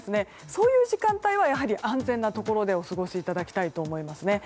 そういう時間帯は安全なところでお過ごしいただきたいと思います。